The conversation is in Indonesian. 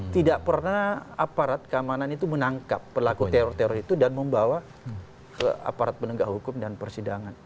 tidak pernah aparat keamanan itu menangkap pelaku teror teror itu dan membawa ke aparat penegak hukum dan persidangan